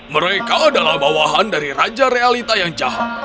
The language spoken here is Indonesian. mereka adalah bawahan dari raja realita yang jahat